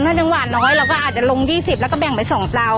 ถ้าจังหวะน้อยเราก็อาจจะลง๒๐แล้วก็แบ่งไป๒เปล่า